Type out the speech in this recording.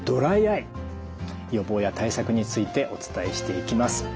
予防や対策についてお伝えしていきます。